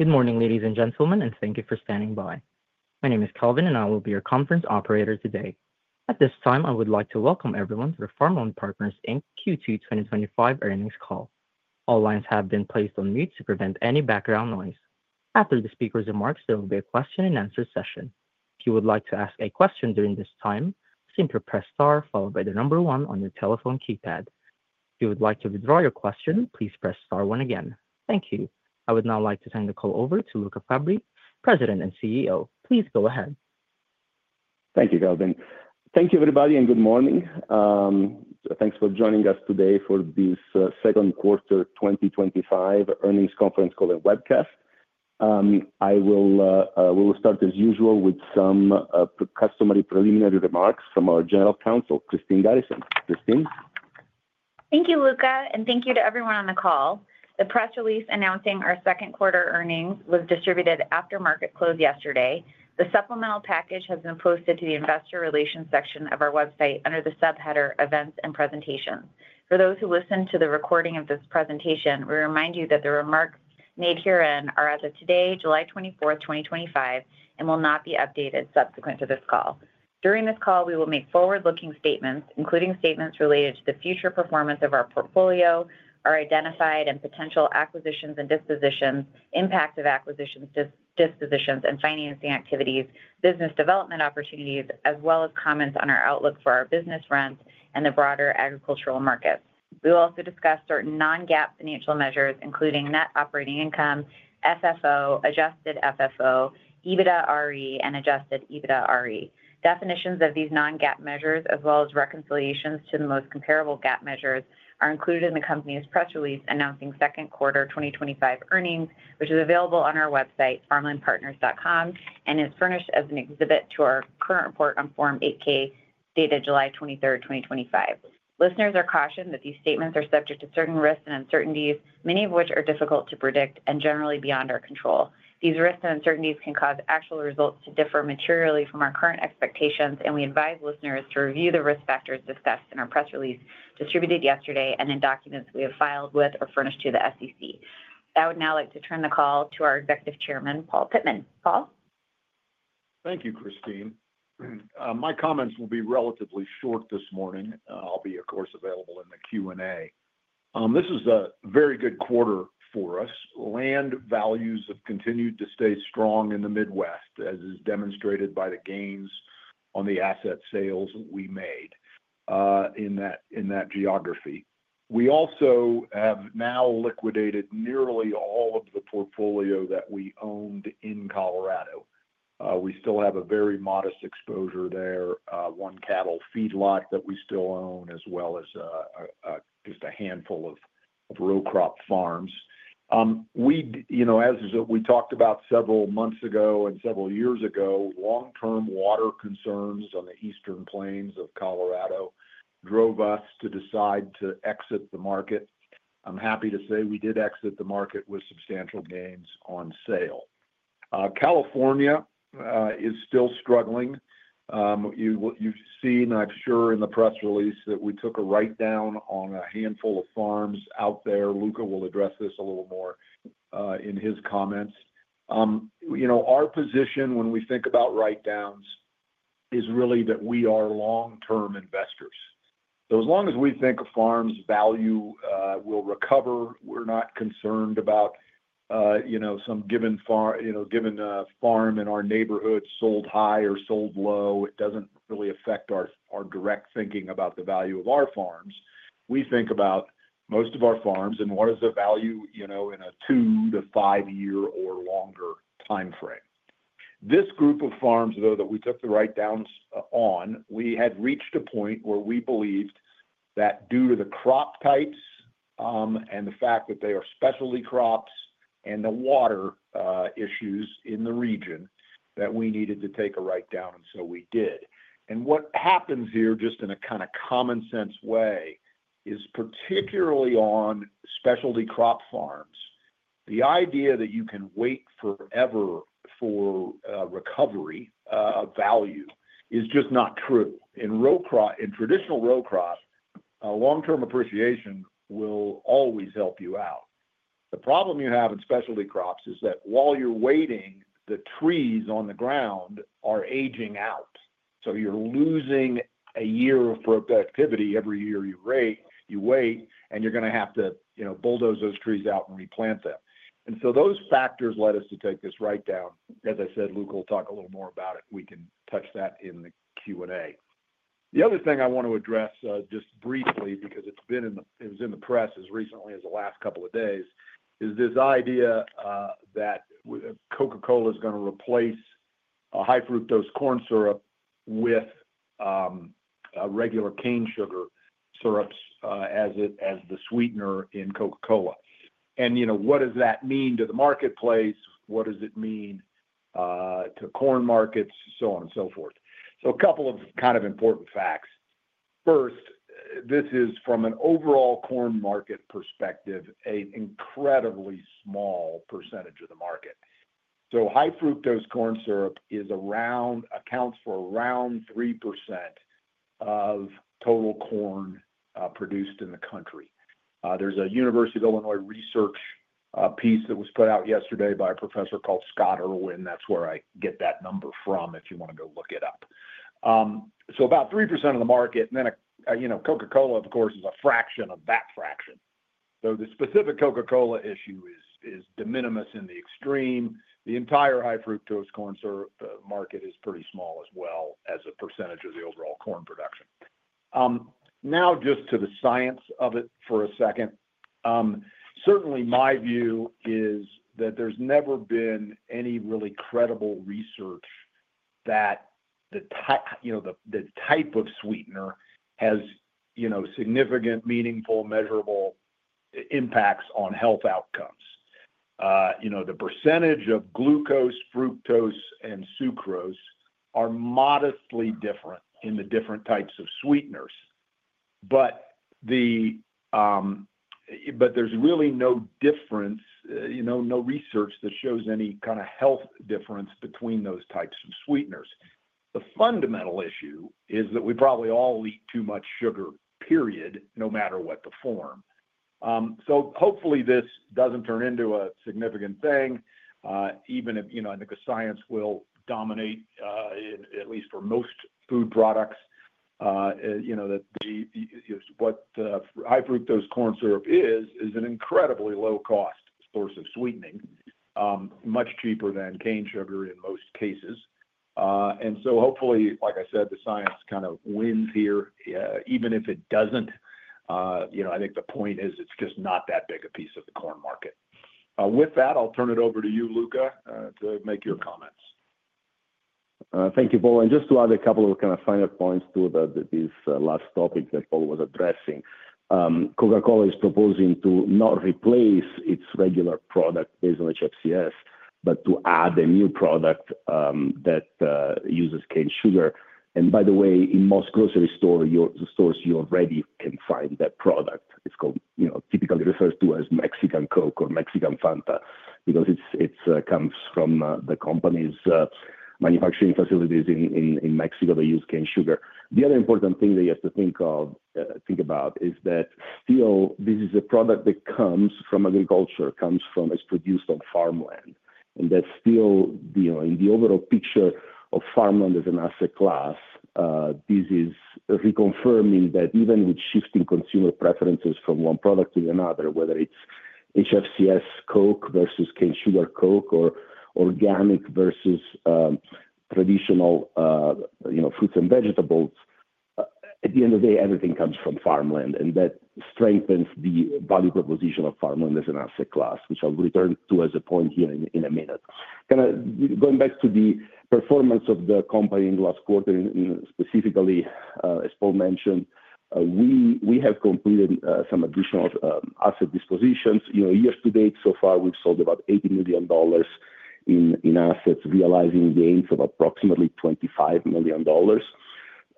Good morning, ladies and gentlemen, and thank you for standing by. My name is Kelvin, and I will be your conference operator today. At this time, I would like to welcome everyone to the Farmland Partners Inc. Q2 2025 earnings call. All lines have been placed on mute to prevent any background noise. After the speaker's remarks, there will be a question and answer session. If you would like to ask a question during this time, simply press star followed by the number one on your telephone keypad. If you would like to withdraw your question, please press star one again. Thank you. I would now like to turn the call over to Luca Fabbri, President and CEO. Please go ahead. Thank you, Kelvin. Thank you, everybody, and good morning. Thank you for joining us today for this second quarter 2025 earnings conference call and webcast. We will start as usual with some customary preliminary remarks from our General Counsel, Christine Garrison. Christine? Thank you, Luca, and thank you to everyone on the call. The press release announcing our second quarter earnings was distributed after market close yesterday. The supplemental package has been posted to the investor relations section of our website under the subheader Events and Presentations. For those who listened to the recording of this presentation, we remind you that the remarks made herein are as of today, July 24th, 2025, and will not be updated subsequent to this call. During this call, we will make forward-looking statements, including statements related to the future performance of our portfolio, our identified and potential acquisitions and dispositions, impact of acquisitions, dispositions, and financing activities, business development opportunities, as well as comments on our outlook for our business rents and the broader agricultural market. We will also discuss certain non-GAAP financial measures, including net operating income, FFO, adjusted FFO, EBITDA-RE, and adjusted EBITDA-RE. Definitions of these non-GAAP measures, as well as reconciliations to the most comparable GAAP measures, are included in the company's press release announcing second quarter 2025 earnings, which is available on our website, farmlandpartners.com, and is furnished as an exhibit to our current report on Form 8K, dated July 23rd, 2025. Listeners are cautioned that these statements are subject to certain risks and uncertainties, many of which are difficult to predict and generally beyond our control. These risks and uncertainties can cause actual results to differ materially from our current expectations, and we advise listeners to review the risk factors discussed in our press release distributed yesterday and in documents we have filed with or furnished to the SEC. I would now like to turn the call to our Executive Chairman, Paul Pittman. Paul? Thank you, Christine. My comments will be relatively short this morning. I'll be, of course, available in the Q&A. This is a very good quarter for us. Land values have continued to stay strong in the Midwest, as is demonstrated by the gains on the asset sales we made in that geography. We also have now liquidated nearly all of the portfolio that we owned in Colorado. We still have a very modest exposure there, one cattle feedlot that we still own, as well as just a handful of row crop farms. As we talked about several months ago and several years ago, long-term water concerns on the eastern plains of Colorado drove us to decide to exit the market. I'm happy to say we did exit the market with substantial gains on sale. California is still struggling. You've seen, I'm sure, in the press release that we took a write-down on a handful of farms out there. Luca will address this a little more in his comments. Our position when we think about write-downs is really that we are long-term investors. As long as we think a farm's value will recover, we're not concerned about some given farm, you know, given a farm in our neighborhood sold high or sold low. It doesn't really affect our direct thinking about the value of our farms. We think about most of our farms and what is the value in a two to five-year or longer timeframe. This group of farms, though, that we took the write-downs on, we had reached a point where we believed that due to the crop types and the fact that they are specialty crops and the water issues in the region, we needed to take a write-down, and so we did. What happens here, just in a kind of common sense way, is particularly on specialty crop farms, the idea that you can wait forever for a recovery of value is just not true. In traditional row crop, long-term appreciation will always help you out. The problem you have in specialty crops is that while you're waiting, the trees on the ground are aging out. You're losing a year of productivity every year you wait, and you're going to have to bulldoze those trees out and replant them. Those factors led us to take this write-down. As I said, Luca will talk a little more about it. We can touch that in the Q&A. The other thing I want to address, just briefly, because it's been in the press as recently as the last couple of days, is this idea that Coca-Cola is going to replace high fructose corn syrup with regular cane sugar syrup as the sweetener in Coca-Cola. You know, what does that mean to the marketplace? What does it mean to corn markets, so on and so forth? A couple of kind of important facts. First, this is from an overall corn market perspective, an incredibly small percentage of the market. High fructose corn syrup accounts for around 3% of total corn produced in the country. There's a University of Illinois research piece that was put out yesterday by a professor called Scott Irwin. That's where I get that number from if you want to go look it up. About 3% of the market, and then Coca-Cola, of course, is a fraction of that fraction. The specific Coca-Cola issue is de minimis in the extreme. The entire high fructose corn syrup market is pretty small as well as a percentage of the overall corn production. Now just to the science of it for a second. Certainly, my view is that there's never been any really credible research that the type, you know, the type of sweetener has significant, meaningful, measurable impacts on health outcomes. The percentage of glucose, fructose, and sucrose are modestly different in the different types of sweeteners, but there's really no difference, no research that shows any kind of health difference between those types of sweeteners. The fundamental issue is that we probably all eat too much sugar, period, no matter what the form. Hopefully, this doesn't turn into a significant thing. Even if, I think the science will dominate, at least for most food products, that high fructose corn syrup is an incredibly low-cost source of sweetening, much cheaper than cane sugar in most cases. Hopefully, like I said, the science kind of wins here, even if it doesn't. I think the point is it's just not that big a piece of the corn market. With that, I'll turn it over to you, Luca, to make your comments. Thank you, Paul. Just to add a couple of finer points to these last topics that Paul was addressing, Coca-Cola is proposing to not replace its regular product based on HFCS, but to add a new product that uses cane sugar. By the way, in most grocery stores, you already can find that product. It's called, you know, typically referred to as Mexican Coke or Mexican Fanta because it comes from the company's manufacturing facilities in Mexico. They use cane sugar. The other important thing that you have to think about is that this is a product that comes from agriculture, is produced on farmland. In the overall picture of farmland as an asset class, this is reconfirming that even with shifting consumer preferences from one product to another, whether it's HFCS Coke versus cane sugar Coke or organic versus traditional fruits and vegetables, at the end of the day, everything comes from farmland. That strengthens the value proposition of farmland as an asset class, which I'll return to as a point here in a minute. Going back to the performance of the company in the last quarter, and specifically, as Paul mentioned, we have completed some additional asset dispositions. Year-to-date, so far, we've sold about $80 million in assets, realizing gains of approximately $25 million.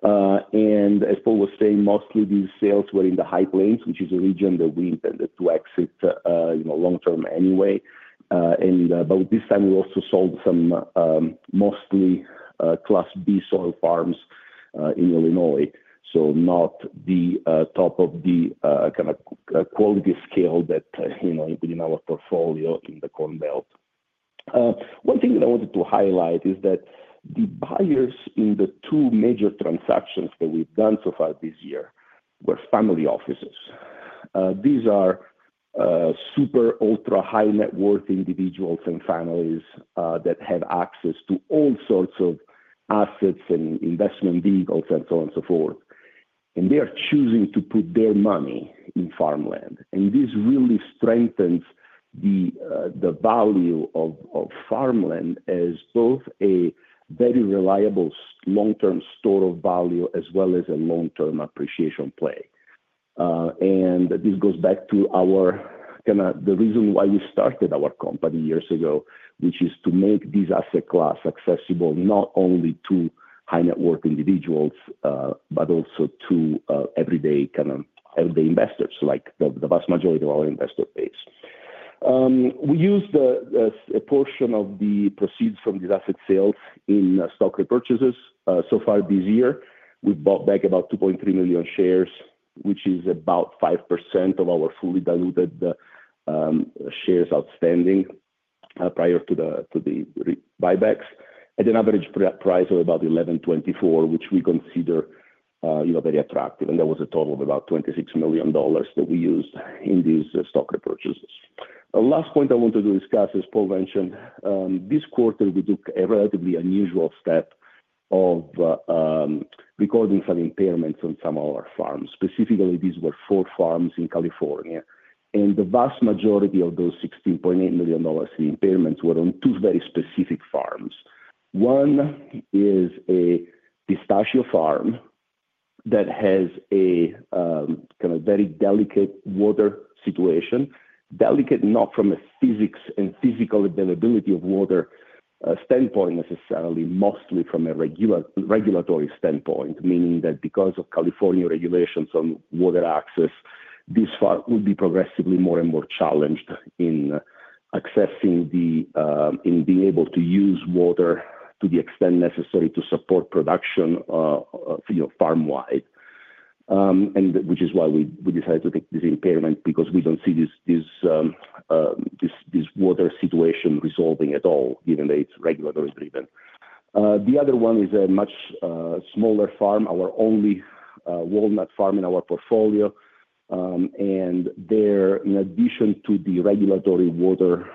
As Paul was saying, mostly these sales were in the High Plains, which is a region that we intended to exit long-term anyway. This time, we also sold some mostly Class B soil farms in Illinois, so not the top of the quality scale that you put in our portfolio in the Corn Belt. One thing that I wanted to highlight is that the buyers in the two major transactions that we've done so far this year were family offices. These are super ultra high net worth individuals and families that have access to all sorts of assets and investment deals and so on and so forth. They are choosing to put their money in farmland. This really strengthens the value of farmland as both a very reliable long-term store of value as well as a long-term appreciation play. This goes back to our kind of the reason why we started our company years ago, which is to make this asset class accessible not only to high net worth individuals, but also to everyday kind of investors, like the vast majority of our investor base. We use a portion of the proceeds from these asset sales in stock repurchases. So far this year, we bought back about 2.3 million shares, which is about 5% of our fully diluted shares outstanding prior to the buybacks, at an average price of about $11.24, which we consider, you know, very attractive. That was a total of about $26 million that we used in these stock repurchases. The last point I wanted to discuss, as Paul mentioned, this quarter, we took a relatively unusual step of recording some impairments on some of our farms. Specifically, these were four farms in California, and the vast majority of those $16.8 million in impairments were on two very specific farms. One is a pistachio farm that has a kind of very delicate water situation. Delicate not from a physics and physical availability of water standpoint necessarily, mostly from a regulatory standpoint, meaning that because of California regulations on water access, this farm will be progressively more and more challenged in accessing the, in being able to use water to the extent necessary to support production, you know, farm-wide, which is why we decided to take this impairment because we don't see this water situation resolving at all, given that it's regulatory driven. The other one is a much smaller farm, our only walnut farm in our portfolio, and there, in addition to the regulatory water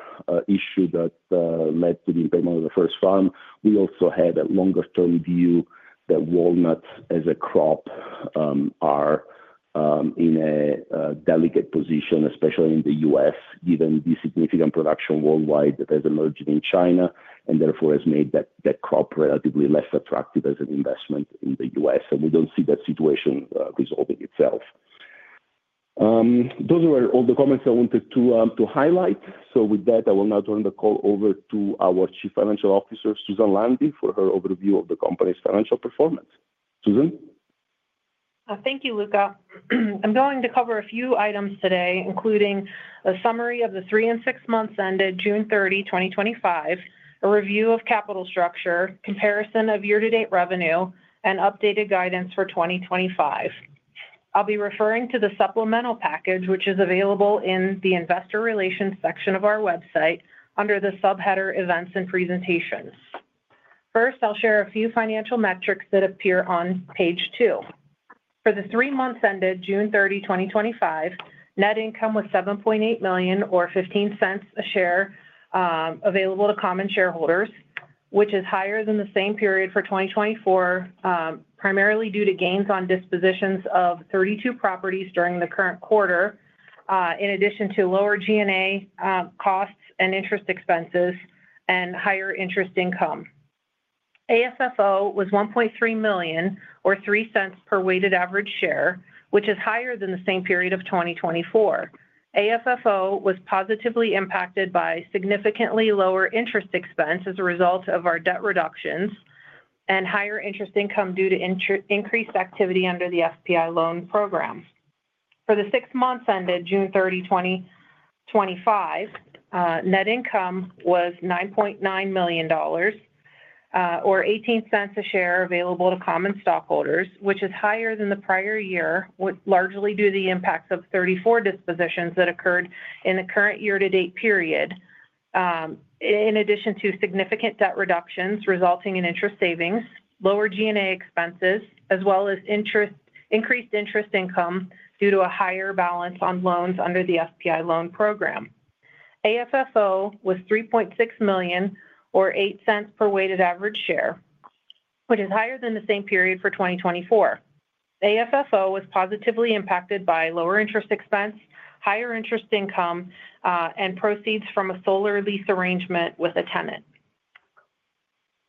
issue that led to the impairment of the first farm, we also had a longer-term view that walnuts as a crop are in a delicate position, especially in the U.S., given the significant production worldwide that has emerged in China and therefore has made that crop relatively less attractive as an investment in the U.S. We don't see that situation resolving itself. Those were all the comments I wanted to highlight. With that, I will now turn the call over to our Chief Financial Officer, Susan Landi, for her overview of the company's financial performance. Susan? Thank you, Luca. I'm going to cover a few items today, including a summary of the three and six months ended June 30, 2025, a review of capital structure, comparison of year-to-date revenue, and updated guidance for 2025. I'll be referring to the supplemental package, which is available in the investor relations section of our website under the subheader Events and Presentations. First, I'll share a few financial metrics that appear on page two. For the three months ended June 30, 2025, net income was $7.8 million or $0.15 a share, available to common shareholders, which is higher than the same period for 2024, primarily due to gains on dispositions of 32 properties during the current quarter, in addition to lower G&A costs and interest expenses and higher interest income. ASFO was $1.3 million or $0.03 per weighted average share, which is higher than the same period of 2024. ASFO was positively impacted by significantly lower interest expense as a result of our debt reductions and higher interest income due to increased activity under the FPI loan program. For the six months ended June 30, 2025, net income was $9.9 million, or $0.18 a share available to common stockholders, which is higher than the prior year, largely due to the impacts of 34 dispositions that occurred in the current year-to-date period, in addition to significant debt reductions resulting in interest savings, lower G&A expenses, as well as increased interest income due to a higher balance on loans under the FPI loan program. ASFO was $3.6 million or $0.08 per weighted average share, which is higher than the same period for 2024. ASFO was positively impacted by lower interest expense, higher interest income, and proceeds from a solar lease arrangement with a tenant.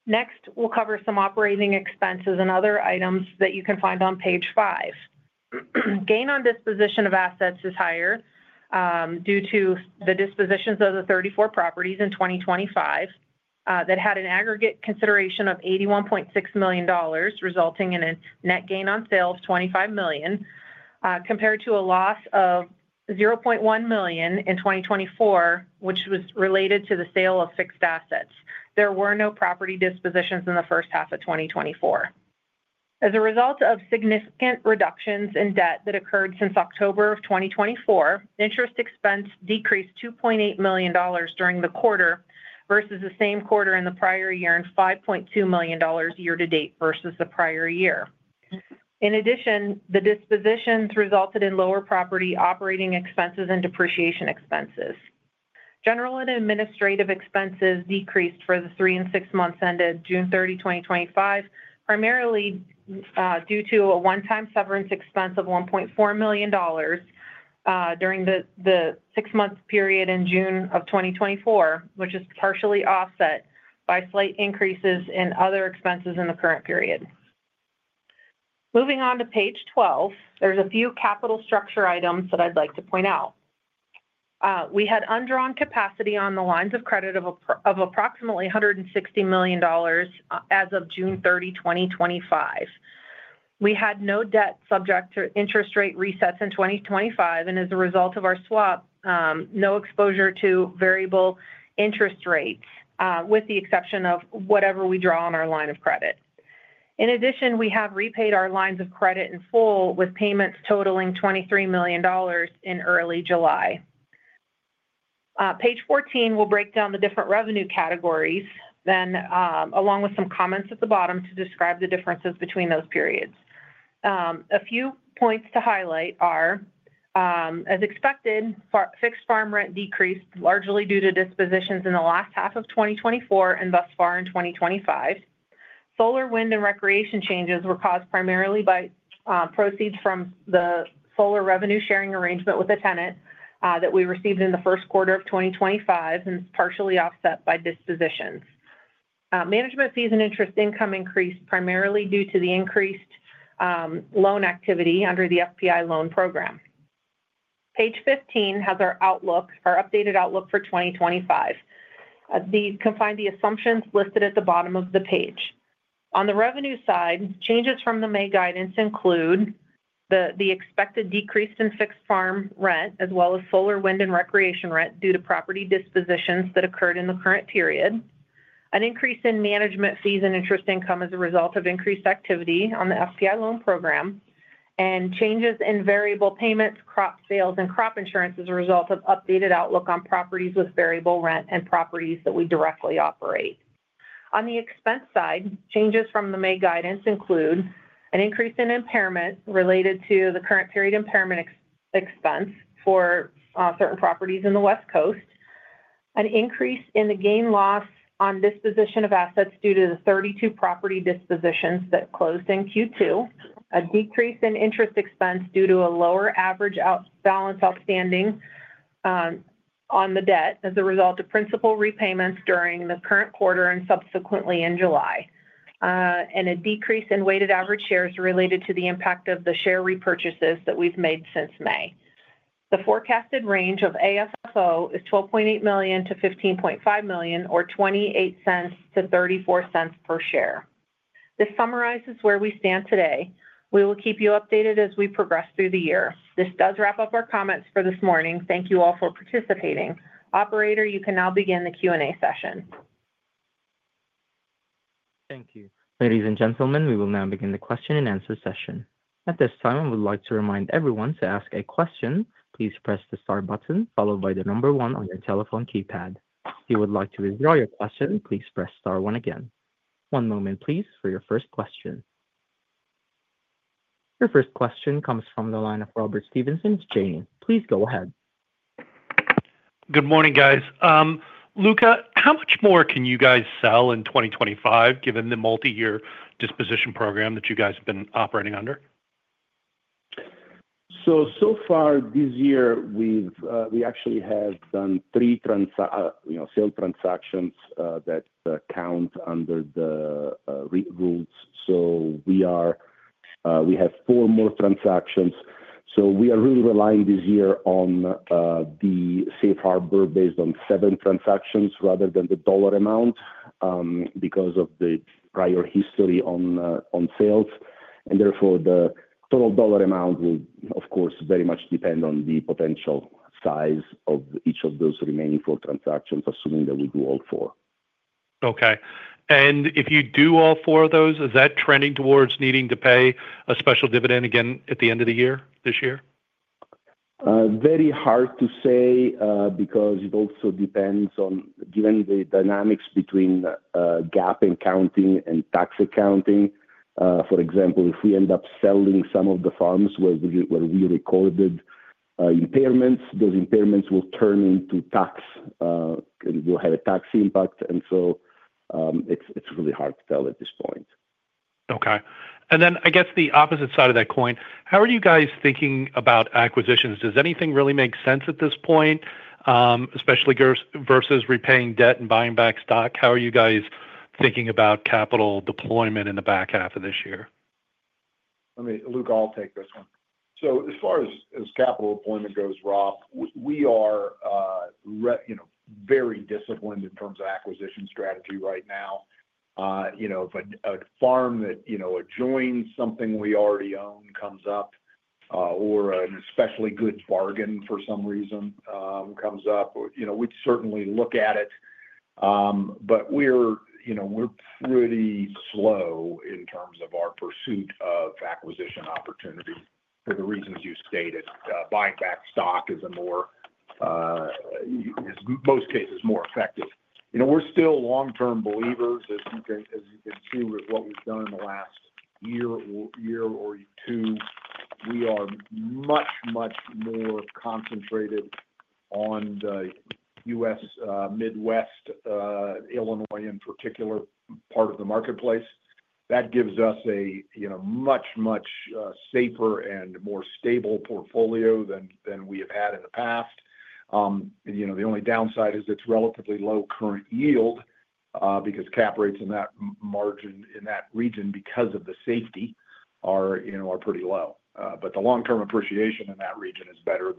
Next, we'll cover some operating expenses and other items that you can find on page five. Gain on disposition of assets is higher, due to the dispositions of the 34 properties in 2025, that had an aggregate consideration of $81.6 million, resulting in a net gain on sales of $25 million, compared to a loss of $0.1 million in 2024, which was related to the sale of fixed assets. There were no property dispositions in the first half of 2024. As a result of significant reductions in debt that occurred since October of 2024, interest expense decreased $2.8 million during the quarter versus the same quarter in the prior year and $5.2 million year-to-date versus the prior year. In addition, the dispositions resulted in lower property operating expenses and depreciation expenses. General and administrative expenses decreased for the three and six months ended June 30, 2025, primarily due to a one-time severance expense of $1.4 million during the six-month period in June of 2024, which is partially offset by slight increases in other expenses in the current period. Moving on to page 12, there are a few capital structure items that I'd like to point out. We had undrawn capacity on the lines of credit of approximately $160 million as of June 30, 2025. We had no debt subject to interest rate resets in 2025, and as a result of our swap, no exposure to variable interest rates, with the exception of whatever we draw on our line of credit. In addition, we have repaid our lines of credit in full with payments totaling $23 million in early July. Page 14 will break down the different revenue categories, along with some comments at the bottom to describe the differences between those periods. A few points to highlight are, as expected, fixed farm rent decreased largely due to dispositions in the last half of 2024 and thus far in 2025. Solar, wind, and recreation changes were caused primarily by proceeds from the solar revenue sharing arrangement with a tenant that we received in the first quarter of 2025, and it's partially offset by dispositions. Management fees and interest income increased primarily due to the increased loan activity under the FPI loan program. Page 15 has our outlook, our updated outlook for 2025. You can find the assumptions listed at the bottom of the page. On the revenue side, changes from the May guidance include the expected decrease in fixed farm rent, as well as solar, wind, and recreation rent due to property dispositions that occurred in the current period, an increase in management fees and interest income as a result of increased activity on the FPI loan program, and changes in variable payments, crop sales, and crop insurance as a result of updated outlook on properties with variable rent and properties that we directly operate. On the expense side, changes from the May guidance include an increase in impairment related to the current period impairment expense for certain properties in the West Coast, an increase in the gain loss on disposition of assets due to the 32 property dispositions that closed in Q2, a decrease in interest expense due to a lower average balance outstanding on the debt as a result of principal repayments during the current quarter and subsequently in July, and a decrease in weighted average shares related to the impact of the share repurchases that we've made since May. The forecasted range of ASFO is $12.8 million to $15.5 million or $0.28 to $0.34 per share. This summarizes where we stand today. We will keep you updated as we progress through the year. This does wrap up our comments for this morning. Thank you all for participating. Operator, you can now begin the Q&A session. Thank you. Ladies and gentlemen, we will now begin the question and answer session. At this time, I would like to remind everyone to ask a question. Please press the star button followed by the number one on your telephone keypad. If you would like to withdraw your question, please press star one again. One moment, please, for your first question. Your first question comes from the line of Rob Stevenson. Please go ahead. Good morning, guys. Luca, how much more can you guys sell in 2025 given the multi-year disposition program that you guys have been operating under? So far this year, we've actually done three sale transactions that count under the rules. We have four more transactions, so we are really relying this year on the safe harbor based on seven transactions rather than the dollar amount because of the prior history on sales. Therefore, the total dollar amount will, of course, very much depend on the potential size of each of those remaining four transactions, assuming that we do all four. Okay, if you do all four of those, is that trending towards needing to pay a special dividend again at the end of the year this year? Very hard to say, because it also depends on, given the dynamics between GAAP accounting and tax accounting. For example, if we end up selling some of the farms where we recorded impairments, those impairments will turn into tax, and we'll have a tax impact. It's really hard to tell at this point. Okay. I guess the opposite side of that coin, how are you guys thinking about acquisitions? Does anything really make sense at this point, especially versus repaying debt and buying back stock? How are you guys thinking about capital deployment in the back half of this year? I mean, Luca, I'll take this one. As far as capital deployment goes, Rob, we are very disciplined in terms of acquisition strategy right now. If a farm that adjoins something we already own comes up, or an especially good bargain for some reason comes up, we'd certainly look at it. We're pretty slow in terms of our pursuit of acquisition opportunities for the reasons you stated. Buying back stock is, in most cases, more effective. We're still long-term believers. As you can see with what was done in the last year or two, we are much, much more concentrated on the U.S. Midwest, Illinois in particular, part of the marketplace. That gives us a much, much safer and more stable portfolio than we have had in the past. The only downside is it's relatively low current yield, because cap rates in that region, because of the safety, are pretty low. The long-term appreciation in that region is better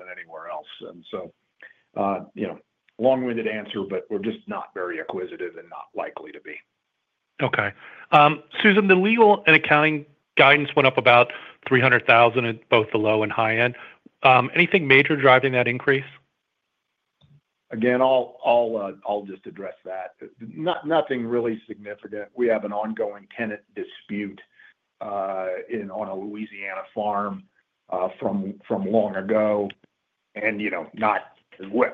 than anywhere else. Long-winded answer, but we're just not very acquisitive and not likely to be. Okay. Susan, the legal and accounting guidance went up about $300,000 at both the low and high end. Anything major driving that increase? I'll just address that. Nothing really significant. We have an ongoing tenant dispute on a Louisiana farm from long ago.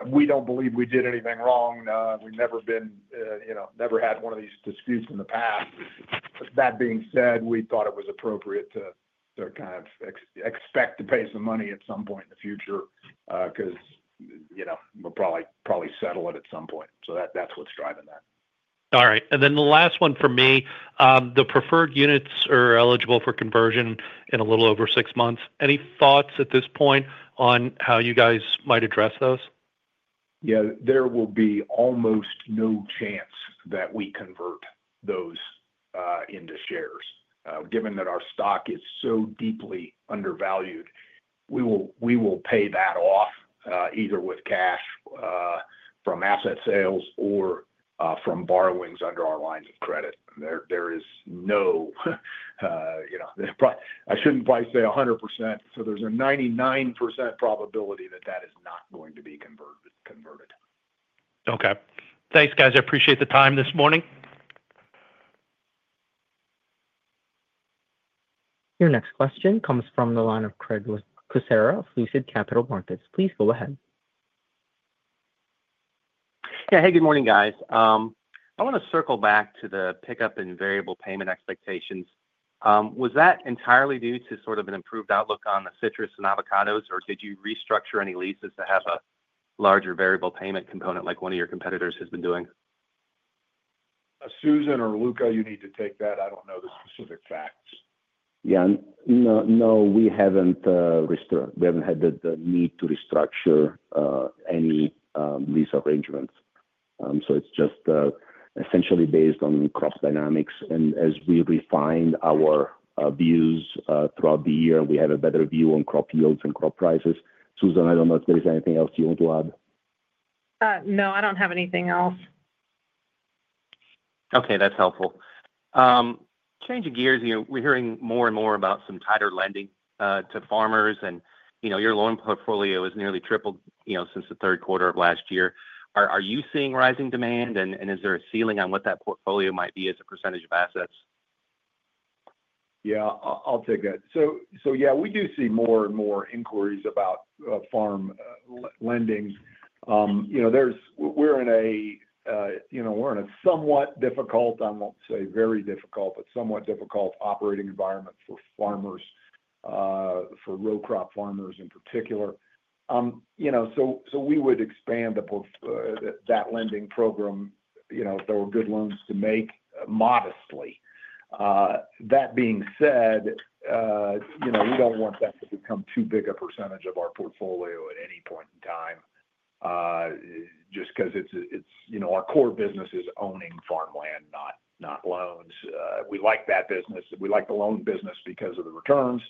We don't believe we did anything wrong. We've never had one of these disputes in the past. That being said, we thought it was appropriate to kind of expect to pay some money at some point in the future, because we'll probably settle it at some point. That's what's driving that. All right. The preferred units are eligible for conversion in a little over six months. Any thoughts at this point on how you guys might address those? Yeah, there will be almost no chance that we convert those into shares. Given that our stock is so deeply undervalued, we will pay that off either with cash from asset sales or from borrowings under our lines of credit. There is no, you know, I shouldn't probably say 100%. There's a 99% probability that that is not going to be converted. Okay, thanks, guys. I appreciate the time this morning. Your next question comes from the line of Craig Kucera of Lucid Capital Markets. Please go ahead. Yeah. Hey, good morning, guys. I want to circle back to the pickup in variable payment expectations. Was that entirely due to sort of an improved outlook on the citrus and avocados, or did you restructure any leases to have a larger variable payment component like one of your competitors has been doing? Susan or Luca, you need to take that. I don't know the specific facts. No, we haven't had the need to restructure any lease arrangements. It's just essentially based on crop dynamics. As we refine our views throughout the year, we have a better view on crop yields and crop prices. Susan, I don't know if there's anything else you want to add. No, I don't have anything else. Okay. That's helpful. Changing gears, you know, we're hearing more and more about some tighter lending to farmers, and you know, your loan portfolio has nearly tripled since the third quarter of last year. Are you seeing rising demand, and is there a ceiling on what that portfolio might be as a percentage of assets? Yeah, I'll take that. We do see more and more inquiries about farm lendings. We're in a somewhat difficult, I won't say very difficult, but somewhat difficult operating environment for farmers, for row crop farmers in particular. We would expand that lending program if there were good loans to make, modestly. That being said, you don't want that to become too big a percentage of our portfolio at any point in time, just because our core business is owning farmland, not loans. We like that business. We like the loan business because of the returns.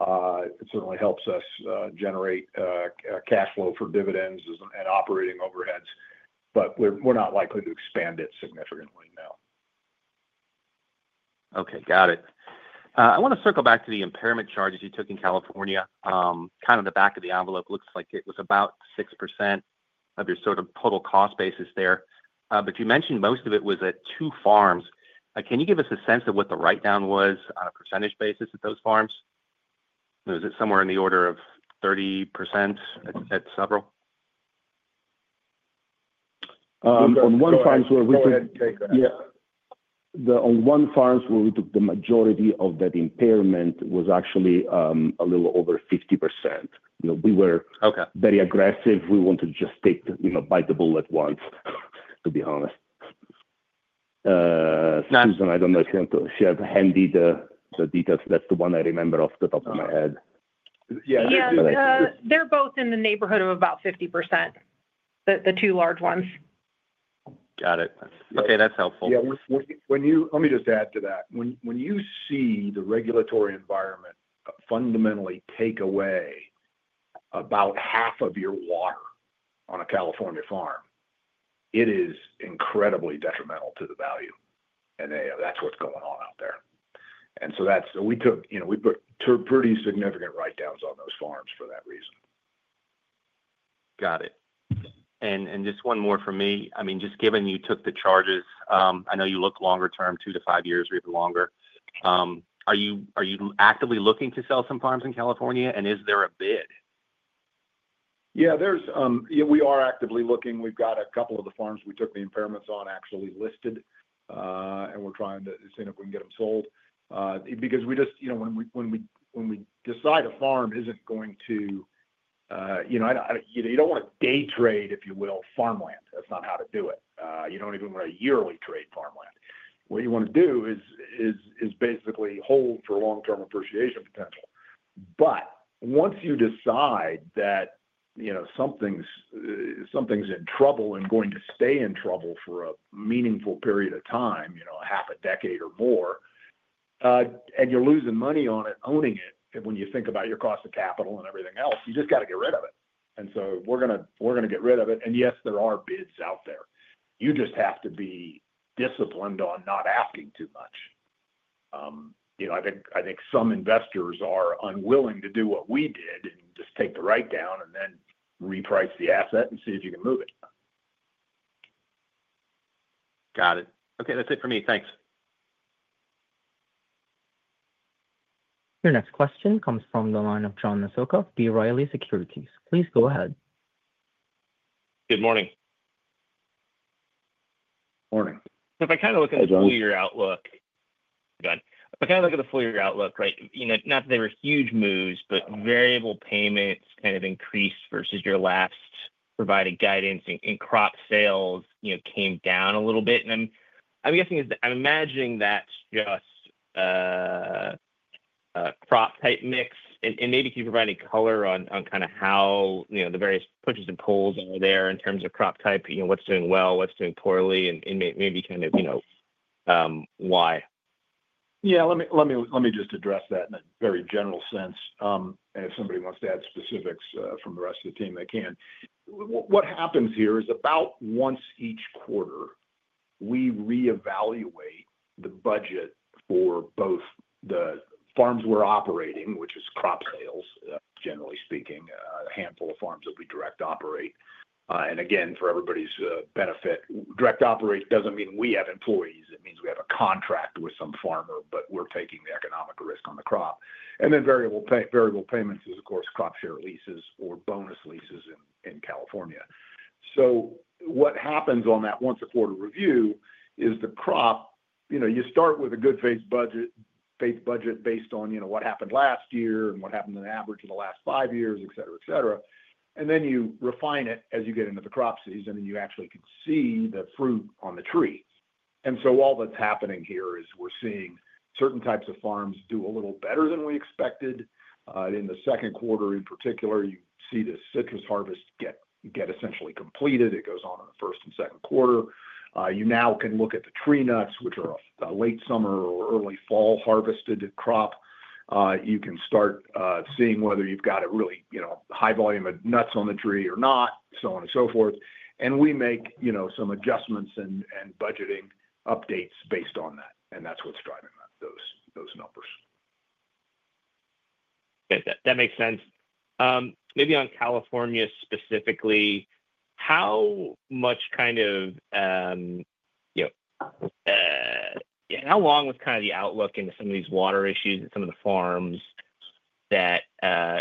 It certainly helps us generate cash flow for dividends and operating overheads. We're not likely to expand it significantly, no. Okay. Got it. I want to circle back to the impairment charges you took in California. Kind of the back of the envelope looks like it was about 6% of your sort of total cost basis there, but you mentioned most of it was at two farms. Can you give us a sense of what the write-down was on a percentage basis at those farms? Was it somewhere in the order of 30% at several? On one farm where we took the majority of that impairment, it was actually a little over 50%. We were very aggressive. We wanted to just take, you know, bite the bullet once, to be honest. Susan, I don't know if she has handy the details. That's the one I remember off the top of my head. Yeah, they're both in the neighborhood of about 50%, the two large ones. Got it. Okay. That's helpful. Yeah. Let me just add to that. When you see the regulatory environment fundamentally take away about half of your water on a California farm, it is incredibly detrimental to the value. That's what's going on out there. That's why we took, you know, we put pretty significant write-downs on those farms for that reason. Got it. Just one more for me. I mean, just given you took the charges, I know you look longer term, two to five years, maybe longer. Are you actively looking to sell some farms in California, and is there a bid? Yeah, we are actively looking. We've got a couple of the farms we took the impairments on actually listed, and we're trying to see if we can get them sold. When we decide a farm isn't going to, you know, you don't want to day trade, if you will, farmland. That's not how to do it. You don't even want to yearly trade farmland. What you want to do is basically hold for long-term appreciation potential. Once you decide that something's in trouble and going to stay in trouble for a meaningful period of time, you know, a half a decade or more, and you're losing money on it owning it, when you think about your cost of capital and everything else, you just got to get rid of it. We're going to get rid of it. Yes, there are bids out there. You just have to be disciplined on not asking too much. I think some investors are unwilling to do what we did, just take the write-down and then reprice the asset and see if you can move it. Got it. Okay, that's it for me. Thanks. Your next question comes from the line of John Massocca, B. Riley Securities. Please go ahead. Good morning. Morning. If I kind of look at the full-year outlook, right? You know, not that there were huge moves, but variable payments kind of increased versus your last provided guidance. Crop sales, you know, came down a little bit. I'm guessing that's just a crop-type mix. Maybe can you provide any color on how the various pushes and pulls are there in terms of crop type, you know, what's doing well, what's doing poorly, and maybe kind of why? Yeah, let me just address that in a very general sense. If somebody wants to add specifics from the rest of the team, they can. What happens here is about once each quarter, we reevaluate the budget for both the farms we're operating, which is crop sales, generally speaking, a handful of farms that we direct operate. For everybody's benefit, direct operate doesn't mean we have employees. It means we have a contract with some farmer, but we're taking the economic risk on the crop. Variable payments is, of course, crop share leases or bonus leases in California. What happens on that once-a-quarter review is the crop, you start with a good faith budget based on what happened last year and what happened on average in the last five years, etc., etc. You refine it as you get into the crop season, and you actually can see the fruit on the trees. All that's happening here is we're seeing certain types of farms do a little better than we expected. In the second quarter, in particular, you see the citrus harvest get essentially completed. It goes on in the first and second quarter. You now can look at the tree nuts, which are a late summer or early fall harvested crop. You can start seeing whether you've got a really high volume of nuts on the tree or not, so on and so forth. We make some adjustments and budgeting updates based on that. That's what's driving those numbers. That makes sense. Maybe on California specifically, how much kind of, you know, and how long was kind of the outlook into some of these water issues at some of the farms that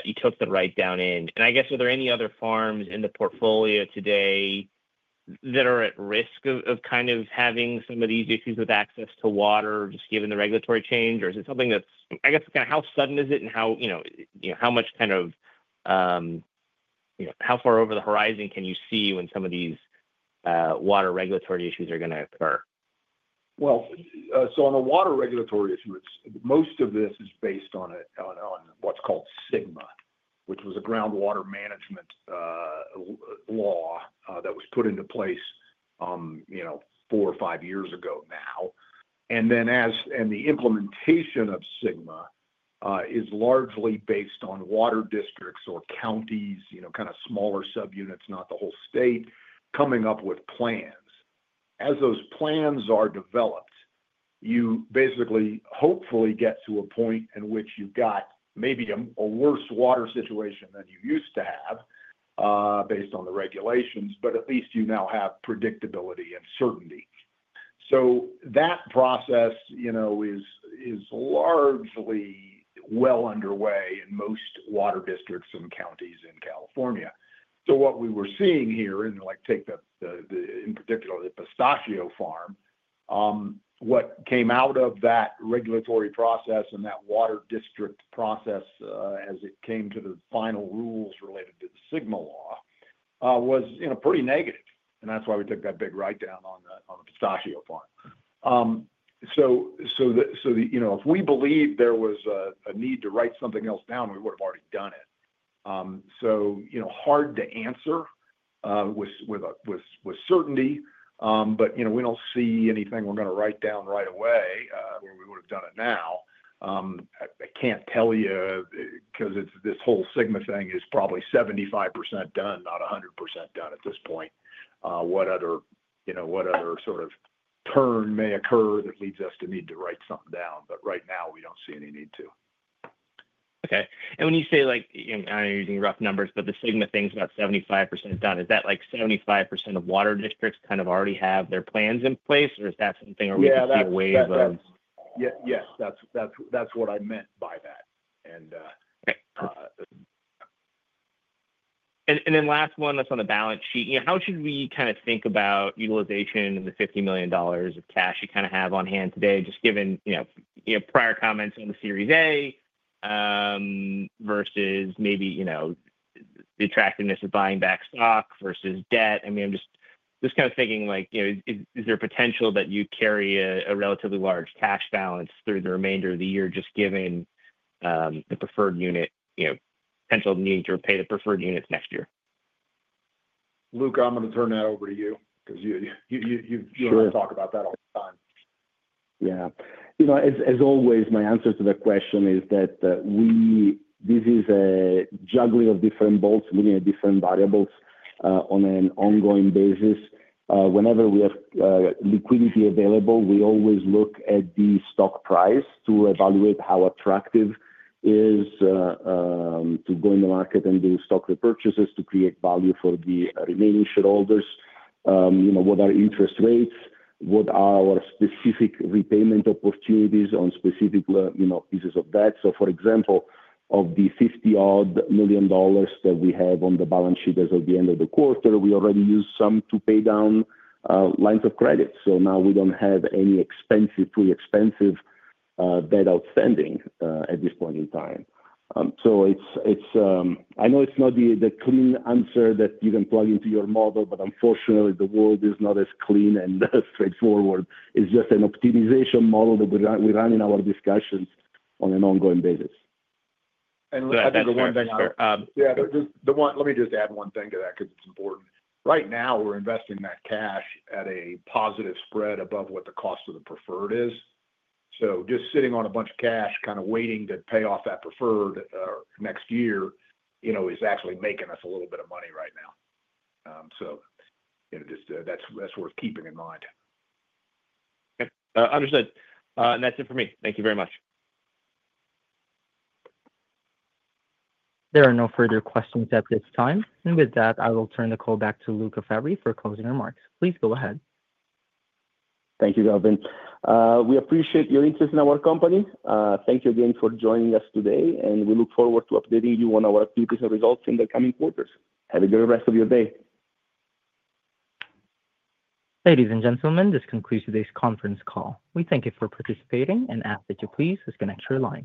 you took the write-down in? I guess, are there any other farms in the portfolio today that are at risk of kind of having some of these issues with access to water just given the regulatory change, or is it something that's, I guess, kind of how sudden is it and how, you know, how much kind of, you know, how far over the horizon can you see when some of these water regulatory issues are going to occur? On the water regulatory issue, most of this is based on what's called SGMA, which was a groundwater management law that was put into place four or five years ago now. The implementation of SGMA is largely based on water districts or counties, kind of smaller subunits, not the whole state, coming up with plans. As those plans are developed, you hopefully get to a point in which you've got maybe a worse water situation than you used to have based on the regulations, but at least you now have predictability and certainty. That process is largely well underway in most water districts and counties in California. What we were seeing here, in particular the pistachio farm, what came out of that regulatory process and that water district process as it came to the final rules related to the SGMA law, was pretty negative. That's why we took that big write-down on the pistachio farm. If we believed there was a need to write something else down, we would have already done it. It's hard to answer with certainty, but we don't see anything we're going to write down right away, where we would have done it now. I can't tell you because this whole SGMA thing is probably 75% done, not 100% done at this point. What other sort of turn may occur that leads us to need to write something down, but right now, we don't see any need to. Okay. When you say, like, I'm using rough numbers, but the SGMA thing's about 75% done, is that like 75% of water districts already have their plans in place, or is that something, or are we just seeing a wave of? That's what I meant by that. Okay. On the balance sheet, how should we kind of think about utilization of the $50 million of cash you kind of have on hand today, just given prior comments on the Series A, versus maybe the attractiveness of buying back stock versus debt? I mean, I'm just kind of thinking, like, is there potential that you carry a relatively large cash balance through the remainder of the year, just given the preferred unit, you know, potential needing to repay the preferred units next year? Luca, I'm going to turn that over to you because you and I talk about that all the time. Yeah. You know, as always, my answer to the question is that this is a juggling of different boats, meaning different variables, on an ongoing basis. Whenever we have liquidity available, we always look at the stock price to evaluate how attractive it is to go in the market and do stock repurchases to create value for the remaining shareholders. You know, what are interest rates? What are our specific repayment opportunities on specific, you know, pieces of debt? For example, of the $50 million-odd that we have on the balance sheet as of the end of the quarter, we already used some to pay down lines of credit. Now we don't have any expensive, pre-expensive debt outstanding at this point in time. I know it's not the clean answer that you can plug into your model, but unfortunately, the world is not as clean and straightforward. It's just an optimization model that we run in our discussions on an ongoing basis. Let me just add one thing to that because it's important. Right now, we're investing that cash at a positive spread above what the cost of the preferred is. Just sitting on a bunch of cash kind of waiting to pay off that preferred next year is actually making us a little bit of money right now, so that's worth keeping in mind. Okay. Understood. That's it for me. Thank you very much. There are no further questions at this time. With that, I will turn the call back to Luca Fabbri for closing remarks. Please go ahead. Thank you, Kelvin. We appreciate your interest in our company. Thank you again for joining us today, and we look forward to updating you on our activities and results in the coming quarters. Have a great rest of your day. Ladies and gentlemen, this concludes today's conference call. We thank you for participating and ask that you please disconnect your line.